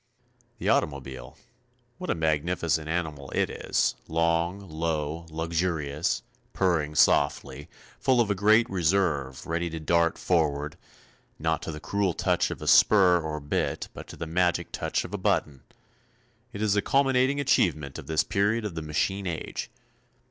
The automobile, what a magnificent animal it is, long, low, luxurious, purring softly, full of a great reserve, ready to dart forward, not to the cruel touch of a spur or bit, but to the magic touch of a button. It is the culminating achievement of this period of the machine age.